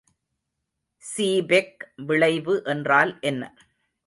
Seebeck விளைவு என்றால் என்ன?